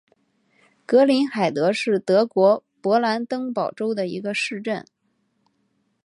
格林海德是德国勃兰登堡州的一个市镇。